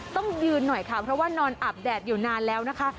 ต้องยืนหน่อยค่ะเพราะว่านอนอาบแดดอยู่นานแล้วนะคะ